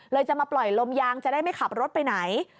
จะมาปล่อยลมยางจะได้ไม่ขับรถไปไหน